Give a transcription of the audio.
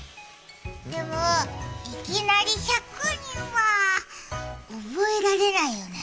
でも、いきなり１００人は覚えられないよ。